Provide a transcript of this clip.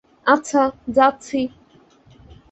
আচ্ছা যাচ্ছি।